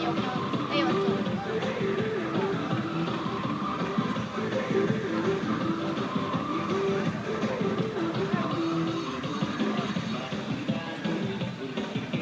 ก็คือเป็นการผู้นี้